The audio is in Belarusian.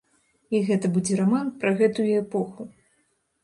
І гэта будзе раман пра гэтую эпоху.